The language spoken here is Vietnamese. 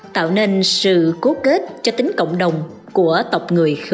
tạo nên sự cố kết cho tính cộng đồng của tộc người khmer